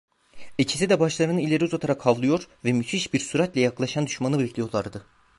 İkisi de başlarını ileri uzatarak havlıyor ve müthiş bir süratle yaklaşan düşmanı bekliyorlardı.